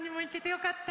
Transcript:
よかった！